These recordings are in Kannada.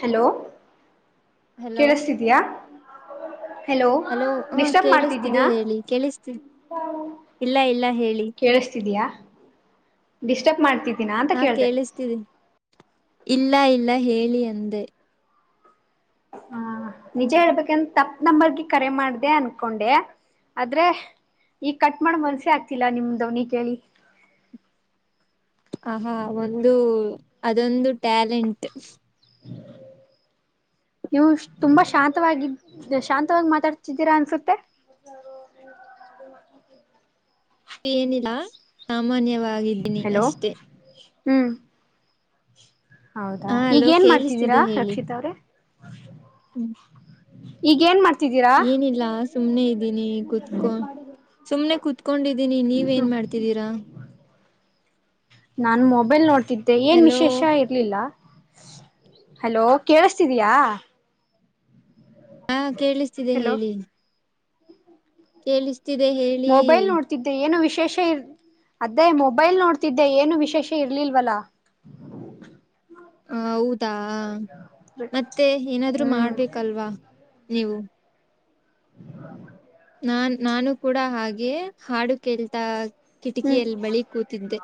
ಹಲೋ ಹಲೋ ಕೇಳ್ತಿದೀಯಾ ಹಲೋ ಹ ಕೇಳಿಸ್ತಿದೆ ಮಾಡ್ತಿದ್ದೀನಾ ಹೇಳಿ ಕೇಳಿಸ್ತ ಇಲ್ಲ ಇಲ್ಲ ಹೇಳಿ ಕೇಳಿಸ್ತಿದಯಾ ಡಿಸ್ಟರ್ಬ್ ಮಾಡ್ತಿದ್ದೀಿನಾ ಅಂತ ಹ ಕೇಳ್ದ ಕೇಳಿಸ್ತಿದೆ ಇಲ್ಲ ಇಲ್ಲ ಹೇಳಿ ಅಂದೆ ಹಾ ನಿಜ ಹೇಳ್ಬೇಕಂದ ತಪ್ ನಂಬರ್ಗ ಕರೆ ಮಾಡ್ದ ಅನ್ಕೊಂಡೆ ಆದ್ರೆ ಈಗ ಕಟ್ ಮಾಡ ಮನ್ಸೆ ಆಗ್ತಿಲ್ಲ ನಿಮ್ದವನಿ ಕೇಳಿ ಆಹಾ ಒಂದು ಅದೊಂದು ಟ್ಯಾಲೆಂಟ್ ಹ ನೀವು್ ತುಂಬಾ ಶಾಂತವಾಗಿದ್ದ ಶಾಂತವಾಗಿ ಮಾತಾಡ್ತಿದ್ದೀರಾ ಅನ್ಸುತ್ತೆ ಏನಿಲ್ಲ ಸಾಮಾನ್ಯವಾಗಿದ್ದೀನಿ ಹಲೋ ಅಷ್ಟೆ ಹ್ಮ್ ಹೌದಾ ಹ ಈಗ ಅಲೋ ಏನ್ ಮಾಡ್ತಿದೀರಾ ಕೇಳಿಸ್ತಿದೆ ಹೇಳಿ ರಕ್ಷಿತ ಅವ್ರೆ ಹ್ಮ್ ಈಗ ಏನ್ ಮಾಡ್ತ ಏನಿಲ್ಲ ಸುಮ್ನೆ ಇದ್ದೀನಿ ಕುೂತ್ಕೊ ಸುಮ್ನೆ ಕಕೊಂಡಿದ್ದೀನಿ ನೀವ ಏನ್ ಮಾಡ್ತಿದ್ದೀರಾ ನಾನ್ು ಮೊಬೈಲ್ ನೋಡ್ತಿದ್ದೆ ಏನ್ ಹಲೋ ವಿಶೇಷ ಇರ್ಲಿಲ್ಲ ಹಲೋ ಕೇಳಿಸತಿದಯಾ ಹಾ ಕೇಳಿಸ್ತಿದೆ ಹಲೋ ಹೇಳಿ ಕೇಳಿಸ ಮೊಬೈಲ್ ನೋಡ್ತಿದ್ದೆ ಏನು ವಿಶೇಷ ಇ ಅದೇ ಮೊಬೈಲ್ ನೋಡ್ತಿದ್ದೆ ಏನು ವಿಶೇಷ ಇರ್ಲಿಲ್ವಲ್ಲ ಹೌದಾ ಮತ್ತೆ ಏನಾದ್ರು ಹ್ಮ್ ಮಾಡ್ಬೇಕಲ್ವಾ ನೀವು ಹ ನಾನ್ ನಾನು ಕೂಡ ಹಾಗೆ ಹಾಡು ಕೇಳ್ತಾ ಹ್ಮ್ ಕಿಟಕಿಯಲ್ಲಿ ಬಳಿ ಕೂತಿದ್ದೆ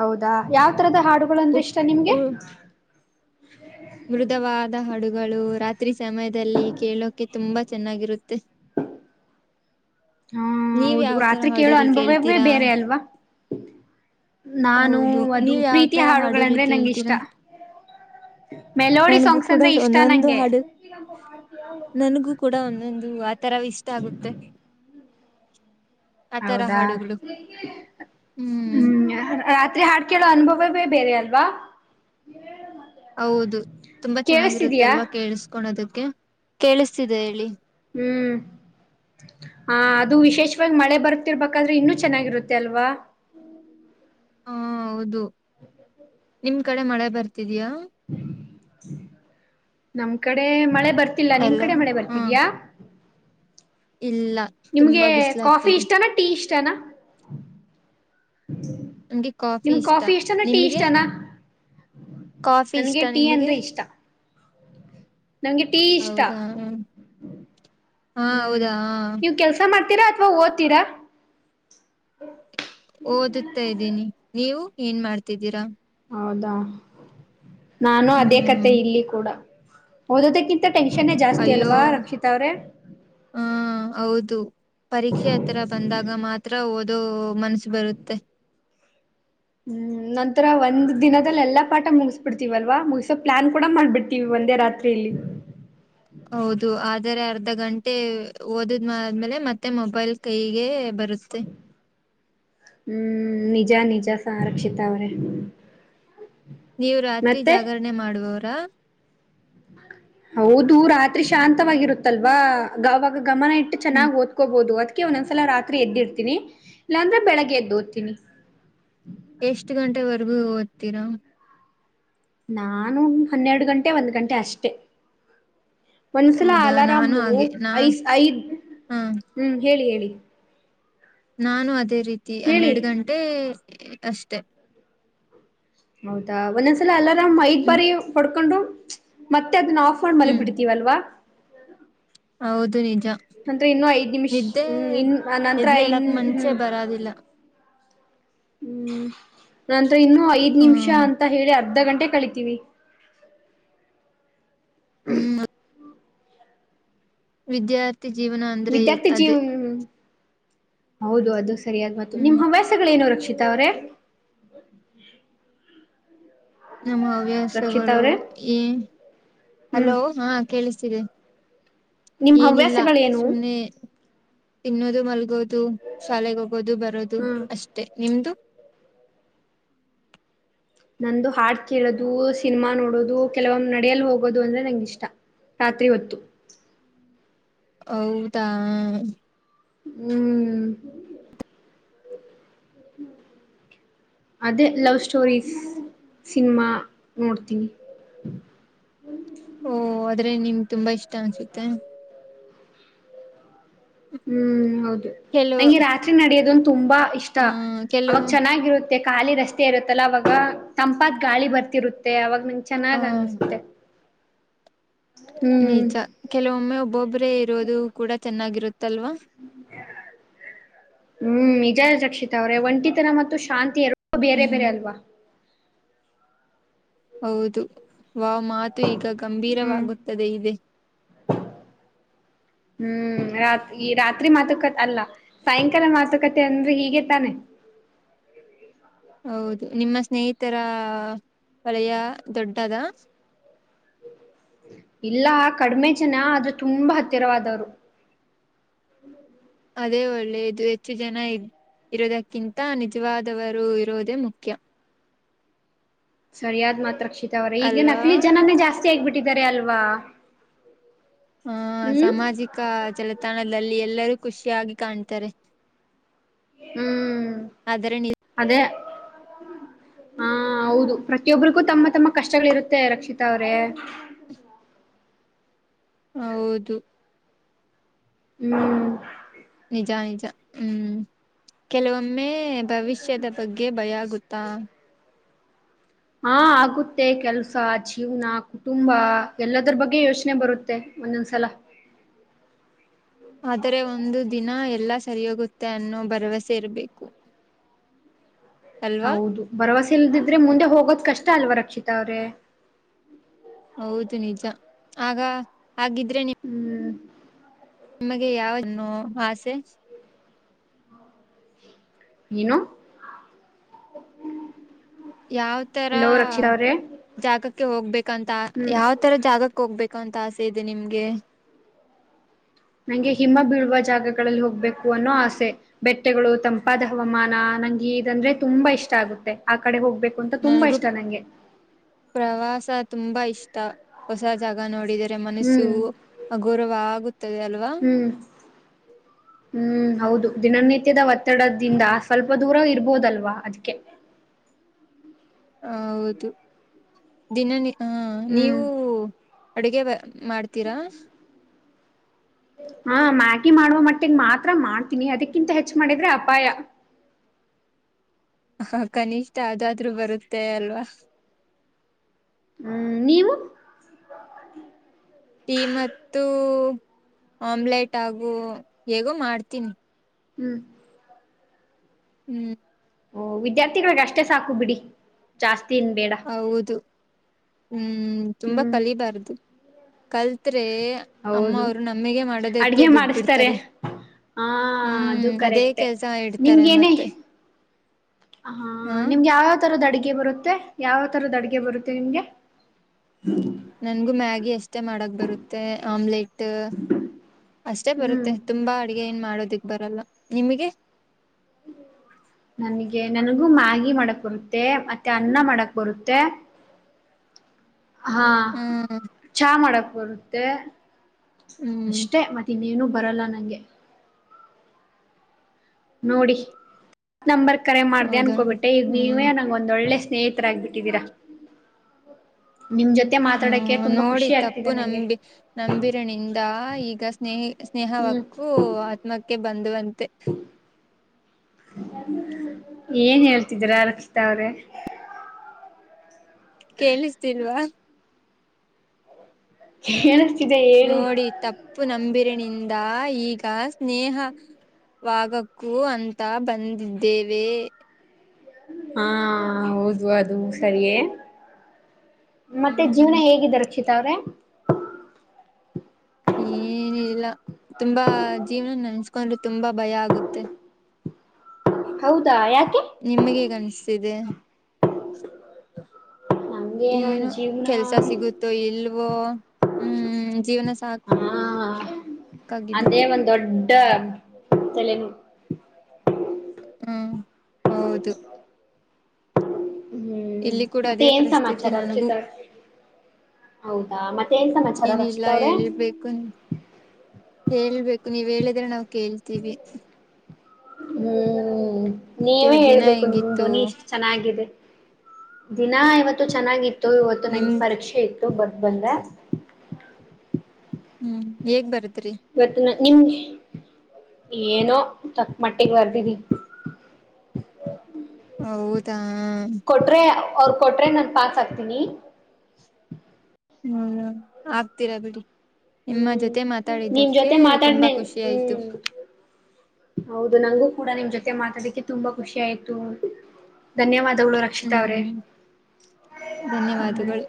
ಹೌದಾ ಯಾವ ತರದ ಹಾಡುಗಳುಂದ್ರೆ ಉಟ್ ಇಷ್ಟ ನಿಮ್ಗೆ ಉ ಮೃದವಾದ ಹಡುಗಳು ರಾತ್ರಿ ಸಮಯದಲ್ಲಿ ಕೇಳೋಕೆ ತುಂಬಾ ಚೆನ್ನಾಗಿರುತ್ತೆ ಹ ಹಾ ನೀವ ಹೌದು ಯಾವತರ ರಾತ್ರಿ ಕೇಳೋ ಹಡುಲ್ ಅನುಭವವೇ ಕೇಳ್ತೀರಾ ಬೇರೆ ಅಲ್ವಾ ನಾನು ಹೌದು ಅದು ನೀವ್ ಪ್ರೀತಿ ಯಾವತರ ಹಾಡುಗಳು ಹಾಡುಗಳಂದ್ರೆ ನಂಗೆ ಇಷ್ಟ ಕೇಳ್ತೀರಾ ಮೆಲೋಡಿ ನನ್ಗೂ ಸಾಂಗ್ಸ್ ಕೂಡ ಅಂದ್ರೆ ಇಷ್ಟ ಒಂದೊಂದು ನಂಗೆ ಹಾಡು ನನಗೂ ಕೂಡ ಒಂದೊಂದು ದು ಆ ತರ ಇಷ್ಟ ಆಗುತ್ತೆ ಆತರ ಹೌದಾ ಹಾಡುಗಳು ಹ್ಮ್ ರಾತ್ರಿ ಹಾಡ್ಕೇಳೋ ಅನುಭವ ಬೇರೆ ಅಲ್ವಾ ಹೌದು ತುಂಬಾ ಕೇಳಿಸ್ತಿದಯಾ ಚೆನ್ನಾಗಿರುತ್ತಲ್ವಾ ಕೇಳಿಸಕೊದಕ್ಕೆ ಕೇಳಿಸ್ತಿದೆ ಹೇಳಿ ಹ್ಮ್ ಹ ಅದು ವಿಶೇಷವಾಗಿ ಮಳೆ ಬರ್ತಿರ್ಬೇಕಾದ್ರೆ ಇನ್ನುೂ ಚೆನ್ನಾಗಿರುತ್ತೆ ಅಲ್ವಾ ಹ ಹಾ ಹೌದು ಹ ನಿಮ್ ಕಡೆ ಮಳೆ ಬರ್ತಿದಯಾ ನಮ್ ಕಡೆ ಮಳೆ ಬರ್ತ ಗರ್ತ್ತಲ್ಲ ನಿಮ್ ಹಲೋ ಕಡೆ ಮಳೆ ಹಾ ಬರ್ತಿದ್ಯಾ ಇಲ್ಲ ನಿಮ್ಗೆ ತುಂಬಾ ಬಿಸಿಲು ಕಾಫಿ ಆಗ್ತಿದೆ ಇಷ್ಟನಾ ಟೀ ಇಷ್ಟನಾ ನಮ್ಗೆ ನಿಮ್ ಇಷ್ಟ ಕಾಫಿ ಇಷ್ಟನಾ ಟೀ ನಿಮಗೆ ಇಷ್ಟನಾ ಕಾಫಿ ನನ್ಗೆ ಇಷ್ಟ ಟೀ ನಿಮಗೆ ಅಂದ್ರೆ ಇಷ್ಟ ನಮ್ಗೆ ಟೀ ಇಷ್ಟ ಹೌದಾ ಹಾ ಹ್ಮ್ ಹೌದಾ ನೀವು ಕೆಲ್ಸ ಮಾಡ್ತ [unintelligible] ಅಥವಾ ಓದತೀರಾ ಹ ಓದುತ್ತಾ ಇದ್ದೀನಿ ನೀವು ಏನ್ ಮಾಡ್ತಿದ್ದೀರಾ ಹೌದಾ ನಾನು ಅದೇ ಕತೆ ಹ್ಮ್ ಇಲ್ಲಿ ಕೂಡ ಓದೋದಕ್ಕಿಂತ ಟೆನ್ಷನ್ನೇ ಜಾಸ್ತಿ ಅಯ್ಯೋ ಅಲ್ವಾ ರಕ್ಷಿತ ಅವ್ರೆ ಹ ಹೌದು ಪರೀಕ್ಷೆ ಹತ್ರರ ಬಂದಾಗ ಆಗ ಮಾತ್ರ ಓದು ಮನಸು ಬರುತ್ತೆ ಹ್ಮ್ ನಂತರ ಒಂದ್ ದಿನದದಲ್ಲಿ ಎಲ್ಲಾ ಪಾಠ ಮುಗಿಸ್ಬಿಡ್ತೀವಲ್ವಾ ಮುಗಸೋ ಪ್ಲಾನ್ ಕೂಡ ಮಾಡ್ಬಿಡ್ತೀವಿ ಸಂಧೆ ರಾತ್ರಿ ಇಲ್ಲಿ ಹೌದು ಆದರೆ ಅರ್ ಅರ್ಧ ಗಂಟೆ ಓದದ್ ಆದ್ಮೇಲೆ ಮತ್ತೆ ಮೊಬೈಲ್ ಕೈಗೆ ಬರುತ್ತೆ ಹ್ಮ್ ನಿಜ ನಿಜ ಸಂರಕ್ಷಿತ ಅವ್ರೆ ನೀವು ರಾತ್ರಿ ಮತ್ತೆ ಜಾಗರಣೆ ಮಾಡುವವರಾ ಹೌದು ರಾತ್ರಿ ಶಾಂತವಾಗಿರುತ್ತಲ್ವಾ ಗಾವಾಗ ಗಮನ ಇಟ್ಟು ಹ್ಮ್ ಚೆನ್ನಾಗಿ ಓದ್ಕೋಬಹುದು ಅ ಒಂದೊಂದ್ಸಲ ರಾತ್ರಿ ಎದ್ದಿರ್ತೀನಿ ಇಲ್ಲಾಂದ್ರೆ ಬೆಳಗ್ಗೆ ಎದ್ದು ಓದ್ತೀನಿ ಎಷ್ಟು ಗಂಟೆವರೆಗೂ ಓದ್ತೀರಾ ನಾನು ಹನ್ನೆರಡು ಗಂಟೆ ಒಂದ್ ಗಂಟೆ ಅಷ್ಟೆ ಒಂದ್ಸಲ ಹೌದಾ ನಾನು ಅಲಾರಾಮು ಹಾಗೆ ನಾ ಐಸ್ ಐದ್ ಹ ಹ್ಮ ಹೇಳಿ ಹೇಳಿ ನಾನು ಅದೇ ರೀತಿ ಹೇಳಿ ಹನ್ನೆರಡು ಗಂಟೆ ಅಷ್ಟೆ ಹೌದಾ ಒಂದೊಂದ್ಸಲ ಅಲರಾಮ್ ಐದ್ ಹ್ಮ್ ಬಾರಿ ಹೊಡ್ಕೊಂಡು ಮತ್ತ ಮತ್ತೆ ಅದನ್ನು ಆಫ್ ಮಾಡಿ ಮಲ್ಗ್ ಹ್ಮ್ ಬಿಟ್ಟಿದ್ದೀವಲ್ವಾ ಹೌದು ನಿಜ ನಂತರ ಇನ್ನೂ ಐದ್ ನಿಮಿಷ ನಿದ್ದೆ ಹ್ಮ್ ಇನ್ ನಂತರ ಎದ್ಲ ಇನ್ ಹೇಳಕ್ ಮನ್ಸೆ ಹ್ಮ್ ಬರೋದಿಲ್ಲ ಹ್ಮ್ ನಂತರ ಇನ್ನುೂ ಐದ್ ನಿಮಿಷ ಹ್ಮ್ ಅಂತ ಹೇಳಿ ಅ ಅರ್ಧ ಗಂಟೆ ಕಳಿತೀವಿ ಹ್ಮ್ ವಿದ್ಯಾರ್ಥಿ ಜೀವನ ಅಂದ್ರೆ ವಿದ್ಯಾರ್ಥಿ ಜೀವ ಅದೇ ಹೌದು ಅದು ಸರಿಯಾದ್ ಮಾ ನಿಮ್ಮ ಹ್ಮ್ ಹವ್ಯಾಸಗಳೇನು ರಕ್ಷಣೆ ಗೀತಾ ಅವರೇ ಅವ್ರೇ ನಮ್ಮ ಹವ್ಯಾಸಗಳು ಅವ್ರೆ ಹ್ಮ್ ಹಲೋ ಹಾ ಕೇಳ್ತೀರಿ ನಿಮ್ ಏನಿಲ್ಲ ಹವ್ಯಾಸಗಳೇನು ಸುಮನೆ ತಿನ್ನೋದು ಮಲ್ಗೋದು ಶಾಲೆಗೆ ಹೋಗೋದು ಬರೋದು ಹ್ಮ್ ಅಷ್ಟೇ ನಿಮ್ದು ನಂದು ಹಾಡು ಕೇಳೋದು ಸಿನಿಮಾ ನೋಡೋದು ಕೆಲವೊಮ್ಮ್ ನಡೆಯಲ್ ಹೋಗೋದು ಅಂದ್ರೆ ನಂಗ ಇಷ್ಟ ರಾತ್ರಿ ಹೊತ್ತು ಹೌದಾ ಹ್ಮ್ ಅದೇ ಲವ್ ಸ್ಟೋರೀಸ್ ಸಿನಿಮಾ ನೋಡ್ತೀನಿ ಓ ಆದ್ರೆ ನಿಮ್ ತುಂಬಾ ಇಷ್ಟ ಅನ್ಸುತ್ತೆ ಹ್ಮ್ ಹೌದು ಕೆಲವು ರಾತ್ರಿ ನಡಿಯೋದಂದು ತುಂಬಾ ಷ್ಟ ಹ್ಮ ಅವಾಗ ಕೆಲವು ಚೆನ್ನಾಗಿರುತ್ತೆ ಮತ್ತೆ ಖಾಲಿ ರಸ್ತೆ ಇರುತ್ತಲ್ಲ ಅವವಾಗ ತಂಪತ್ ಗಾಳಿ ಬರ್ತಿರುತ್ತೆ ಮ ಅವಾಗ ನಿಮ ಹ ಚೆನ್ನಾಗ್ ಅನ್ಸುತ್ತೆ ಹ್ಮ್ ನಿಜ ಕೆಲವೊಮ್ಮೆ ಒಬ್ಬೊಬ್ರೇ ಇರೋದು ಕೂಡ ಚೆನ್ನಾಗಿರುತ್ತಲ್ವಾ ಹ್ಮ್ ನಿಜಾ ರಕ್ಷಿತ ಅವ್ರೆ ಒಂಟಿತನ ಮತ್ತು ಶಾಂತಿ ಬೇರೆ ಬೇರೆ ಹ್ಮ್ ಅಲ್ವಾ ಹೌದು ವಾವ್ ಮಾತು ಈಗ ಹ್ಮ್ ಗಂಭೀರವಾಗುತ್ತದೆ ಇದೆ ಹ್ಮ್ ರಾತ್ ಈ ರಾತ್ರಿ ಮಾತುಕತೆ ಅಲ್ಲ ಸಾಯಂಕಾಲ ಮಾತುಕತೆ ಅಂದ್ರೆ ಹೀಗೆ ತಾನೆ ಎ ಹೌದು ನಿಮ್ಮ ಸ್ನೇಹಿತರ ವಲಯ ದೊಡ್ಡದಾ ಹ್ಮ ಇಲ್ಲ ಕಡಿಮೆ ಜನ ಆದ್ರ ತುಂಬಾ ಹತ್ತಿರವಾದವರು ಅದೇ ಒಳ್ಳೇದು ಹೆಚ್ಚು ಜನ ಇದೆ ಇರೋದಕ್ಕಿಂತ ನಿಜವಾದವರು ಇರೋದೇ ಮುಖ್ಯ ಸರಿಯಾದ್ ಮಾತ್ ರಕ್ಷಿತಾ ಅವರ ಈಗ ಅಲ್ವಾ ನಕ್ಲಿ ಜನಾನೇ ಜಾಸ್ತಿ ಆಗ್ಬಿಟ್ಟಿದ್ದಾರೆ ಅಲ್ವಾ ಹಾ ಹ್ಮ್ ಸಾಮಾಜಿಕ ಚಾಲತಾಣದಲ್ಲಿ ಎಲ್ಲರೂ ಖುಷಿಯಾಗಿ ಕಾಣ್ತಾರೆ ಹ್ಮ್ ಅದರ ನಿ ಹಾ ಹೌದು ಪ್ರತಿಯೊಬ್ರಗೂ ತಮ್ಮ ತಮ್ಮ ಕಷ್ಟಗಳಿರುತ್ತೆ ರಕ್ಷಿತಾ ಅವ್ರೇ ಹ ಹೌದು ಹ್ಮ್ ನಿಜ ನಿಜ ಹ್ಮ್ ಕೆಲವೊಮ್ಮೆ ಭವಿಷ್ಯದ ಬಗ್ಗೆ ಭಯ ಆಗುತ್ತೆ ತ್ತ ಹಾ ಆಗುತ್ತೆ ಕೆಲ್ಸ ಜೀವನ ಕುಟುಂಬ ಎಲ್ಲದ್ರ ಬಗ್ಗೆ ಯೋಚನೆ ಬರುತ್ತೆ ಒಂದುಮ ಸಲ ಆದರೆ ಒಂದು ದಿನ ಎಲ್ಲ ಸರಿಯೋಗುತ್ತೆ ಅನ್ನೋ ಭರವಸೆ ಇರಬೇಕು ಹೌದು ಭರವಸೆ ಇಲ್ದಿದ್ರೆ ಮುಂದೆ ಹೋಗೋದ್ ಕಷ್ಟ ಅಲ್ವಾ ರಕ್ಷಿತ ಅವ್ರೆ ಹೌದು ನಿಜ ಆಗ ಹಾಗಿದ್ರೆ ನೀವು ಹ್ಮ್ ನಿಮಗೆ ಯಾವ ಆಸೆ ನೀನು ಯಾವ ತರ ಜಾಗಕ್ಕೆ ಹೋಗ್ಬೇಕಂತ ಹ್ಮ್ ಯಾವ ತರ ಜಾಗಕ್ಕೆ ಹೋಗ್ಬೇಕ ಸಿಂತ ಆಸೆ ಇದೆ ನಿಮ್ಗೆ ನಂಗೆ ಹಿಮ ಬೀಳುವ ಜಾಗಗಳಲ್ಲಿ ಹೋಗ್ಬೇಕು ಅನ್ನೋ ಆಸೆ ಬೆಟ್ಟಗಳು ತಂಪಾದ ಹವಾಮಾನ ನಂಗೆ ಇದಂದ್ರೆ ತುಂಬಾ ಇಷ್ಟ ಆಗುತ್ತೆ ಆ ಕಡೆ ಹೋಗ್ಬೇಕು ಂತ ತುಂಬಾ ನನಗೂ ಇಷ್ಟ ನಂಗೆ ಪ್ರವಾಸ ತುಂಬಾ ಇಷ್ಟ ಹೊಸ ಜಾಗ ನೋಡಿದರೆ ಮನಸ್ಸು ಹ್ಮ್ ಅಗೌರವ ಆಗುತ್ತದೆ ಅಲ್ವಾ ಹ್ಮ್ ಹ್ಮ್ ಹೌದು ದಿನನಿತ್ಯದ ಒತ್ತಡದಿಂದ ಸ್ವಲ್ಪ ದೂರ ಇರ್ಬೋದಲ್ವಾ ಅದಕ್ಕೆ ಹೌದು ದಿನನ ಹ ನೀವು ಹ್ಮ್ ಅಡುಗೆ ಬ ಮಾಡ್ತೀರಾ ಹಾ ಮ್ಯಾಗಿ ಮಾಡುವ ಮಟ್ಟಿಗೆ ಮಾತ್ರ ಮಾಡ್ತೀನಿ ಅದಕ್ಕಿಂತ ಹೆಚ್ಚ ಮಾಡಿದ್ರೆ ಅಪಾಯ [inaudible] ಹ ಕನಿಷ್ಠ ಅದಾದ್ರರು ಬರುತ್ತೆ ಅಲ್ವಾ ಹ್ಮ್ ನೀವು ಟೀ ಮತ್ತು ಆಮ್ಲೆಟ್ ಹಾಗು ಹೇಗೋ ಮಾಡ್ತೀನಿ ಹ್ಮ್ ಹ್ಮ್ ಓ ವಿದ್ಯಾರ್ಥಿಗಳಿಗೆ ಅಷ್ಟೇ ಸಾಕು ಬಿಡಿ ಜಾಸ್ತಿ ಏನ್ ಬೇಡ ಹೌದು ಹ್ಮ್ ತುಂಬಾ ಹ್ಮ್ ಕಲಿಬಾರ್ದು ಕಲತ್ರೆ ಅಮ್ಮ ಹೌದು ಅವರು ನಮಗ ಮಾಡೋದಕ್ಕೆ ಅಡ್ಗೆ ಬಿಡ್ಬ ಮಾಡಿಸ್ತಾರೆ ಬಿಡ್ತಾರೆ ಹಾ ಅದು ಹ್ಮ್ ಅದೇ ಕರೆಕ್ಟೆ ಕೆಲ್ಸ ಇಡ್ತಾರೆ ನಿಮ್ಗೇನೆ ಮತ್ತೆ ಹಾ ಹ ನಿಮ್ಗೆ ಯಾವಾವ ತರದ ಅಡಿಗೆ ಅಡಿಗೆ ಬರುತ್ತೆ ಯಾವ ತರದ ಅಡ್ಗೆ ಬರುತ್ತೆ ನಿಮ್ಗೆ ನನ್ಗು ಮ್ಯಾಗಿ ಅಷ್ಟೇ ಮಾಡಕ್ ಬರುತ್ತೆ ಆಮ್ಲೆಟ್ ಅಷ್ಟೇ ಹ್ಮ್ ಬರುತ್ತೆ ತುಂಬಾ ಅಡ್ಗೆ ಏನ್ ಮಾಡೋದಿಕ್ ಬರಲ್ಲ ನಿಮಗೆ ನನಗೆ ನನ ನು ಮ್ಯಾಗಿ ಮಾಡಕ್ ಬರುತ್ತೆ ಮತ್ತೆ ಅನ್ನ ಮಾಡಕ್ ಬರುತ್ತೆ ಹಾ ಹ್ಮ್ ಚಾ ಮಾಡಕ್ ಬರುತ್ತೆ ಹ್ಮ್ ಅಷ್ಟೆ ಮತ್ತೆ ಇನ್ನೇನು ಬರಲ್ಲ ನನಗೆ ನೋಡಿ ನಂಬರ್ ಕರೆ ಮಾಡ್ದ ಹೌದಾ ಅನ್ಕೊಬಿಟ್ಟೆ ಈ ಹ್ಮ್ ನೀವೇ ನಂಂಗ ಒಂದ್ ಒಳ್ಳೆ ಸ್ನೇಹಿತರ ಆಗ್ಬಿಟ್ಟಿದ್ದೀರಾ ಮಾತಡಕೆ ಹ್ಮ್ ನೋಡಿ ತಪ್ಪು ನಂಬಿ ನಂಬಿರನಿಂದ ಈಗ ಸ್ನೇಹಿ ಹ್ಮ್ ಸ್ನೇಹಕ್ಕೂ ಆತ್ಕ್ಕೆ ಬಂದಂತ [inaudible] ಏನ್ ಹೇಳ್ತಿದ್ರ ರಕ್ಷಿತಾ ಅವ್ರೆ ಕೇಳಿಸ್ತಿಲ್ವಾ ನ ನೋಡಿ ತಪ್ಪು ನಂಬಿರಿನಿಂದ ಈಗ ಸ್ನೇಹ ವಾಗಕ್ಕೂ ಅಂತ ಬಂದಿದ್ದೇವೆ ಹಾ ಹೌದು ಅದು ಸರಿಯೇ ಮತ್ತೆ ಜೀವನ ಹ್ಮ್ ಹೇಗಿದೆ ರಕ್ಷಿತ ಅವ್ರೆ ಏನಿಲ್ಲ ತುಂಬಾ ಜೀವನ ನೆನ್ಸ್ಕೊಂಡಿ ತುಂಬಾ ಭಯ ಆಗುತ್ತೆ ಹೌದಾ ಯಾಕೆ ನಿಮಗೆ ಹೇಗನಸ್ತಿದೆ ನಮ್ಗೆ ನನ್ ಏನು ಜೀವನ ಕೆಲ್ಸ ಸಿಗುತ್ತೋ ಇಲ್ವೋ ಹ್ಮ್ ಜೀವನ ಸಾಕ್ ಹಾ ಅದೇ ಒಂದ್ ದೊಡ್ಡ ತಲೆನೋವು ಹ್ಮ್ ಹೌದು ಹ್ಮ್ ಇಲ್ಲಿ ಕೂಡ ಮತ್ತೆ ಅದೇ ಏನ್ ಪರಿಸ್ಥಿತಿ ಸಮಾಚಾರ ನನಗೂ ರಕ್ಷಿತಾ ಅವ್ರೆ ಹೌದಾ ಮತ್ತೆ ಏನ್ ಸಮಾಚಾರ ಏನಿಲ್ಲ ರಕ್ಷಿತ ಅವ್ರೆ. ಹೇಳ್ಬೇಕು ಹೇಳ್ಬೇಕು ನೀವ್ ಹೇಳಿದ್ರೆ ನಾವು ಕೇಳ್ತೀವಿ ಹ್ಮ್ ಮತ್ತ ನೀವೇ ಇವತ್ ದಿನ ಹೇಳ್ಬೇಕು ನಿಮ ಹೆಂಗಿತ್ತು ಧ್ವನಿ ಇಷ್ಟು ಚೆನ್ನಾಗಿದೆ ದಿನ ಇವತ್ತು ಚೆನ್ನಾಗಿತ್ತು ಇವತ್ತು ನಿಮ್ ನಂಗೆ ಪರೀಕ್ಷೆ ಇತ್ತು ಬಟ್ಬಂದ ಹ್ಮ್ ಹೇಗ್ ಬರುತ್ತ ಇವತ್ತ ನ ನಿಮ್ಗೆ ಏನೋ ತಕ್ಕ ಮಟ್ಟಿಗೆ ಬರ್ದಿದಿ ಹೌದಾ ಅವರು ಕೊಟ್ರೆ ನಾನ್ ಪಾಸ್ ಆಕ್ತೀನಿ ಹ್ಮ್ ಆಗ್ತೀರಾ ಬಿಡಿ ನಿಮ್ಮ ಹ್ಮ್ ಜೊತೆ ನಿಮ್ ಮಾತಾಡಿದ್ದಕ್ಕೆ ಜೊತೆ ತುಂಬಾ ಮಾತಾಡ್ನೆ ಖುಷಿ ಆಯ್ತು ಹ್ಮ್ ಹೌದು ನಂಗೂ ಕೂಡ ನಿಮ್ ಜೊತೆ ಮಾತಾಡಕ್ಕೆ ತುಂಬಾ ಖುಷಿ ಆಯ್ತು ಧನ್ಯವಾದ ಗಳು ರಕ್ಷಿತ ಅವರೇ ಹ್ಮ್ ಹ್ಮ ಧನ್ಯವಾದಗಳು